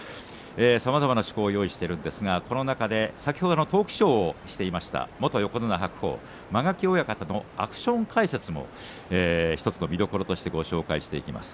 さまざまな趣向を用意していますが、この中で先ほどトークショーをしていました元横綱白鵬間垣親方のアクション解説が見どころの１つです。